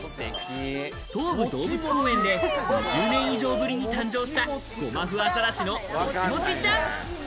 東武動物公園で２０年以上ぶりに誕生したゴマフアザラシのもちもちちゃん。